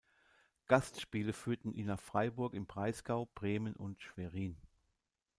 Gastspiele führten ihn nach Freiburg im Breisgau, Bremen und Schwerin.